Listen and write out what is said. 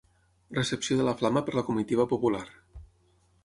Recepció de la Flama per la comitiva popular.